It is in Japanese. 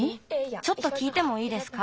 ちょっときいてもいいですか？